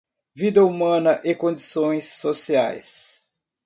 Vida humana e condições sociais